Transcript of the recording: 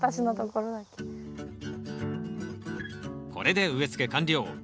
これで植えつけ完了。